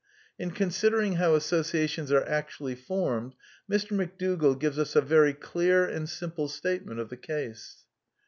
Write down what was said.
\ In considering how associations are actually formed, Mr. McDougall gives us a very clear and simple statement of the case.